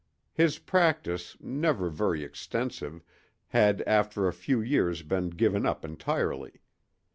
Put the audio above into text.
His practice, never very extensive, had after a few years been given up entirely.